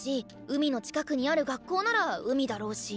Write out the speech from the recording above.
海の近くにある学校なら海だろうし。